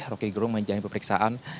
roky gerung menjalani peperiksaan